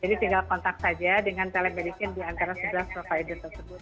jadi tinggal kontak saja dengan telesmedicine di antara sebelas provider tersebut